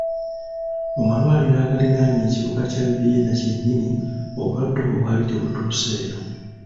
Mu malwaliro agaliraanye ekibuga kya Vienna kyennyini obulwadde obwo bwali tebutuuseeyo.